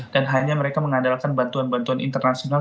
dan hanya mereka mengadalkan bantuan bantuan internasional